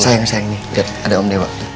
sayang nih ada om dewa